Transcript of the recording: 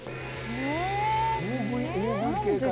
大食い系かな？